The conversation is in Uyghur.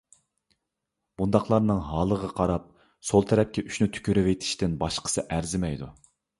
بۇنداقلارنىڭ ھالىغا قاراپ سول تەرەپكە ئۈچنى تۈكۈرۈۋېتىشتىن باشقىسى ئەرزىمەيدۇ.